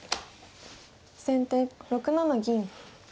先手６七銀。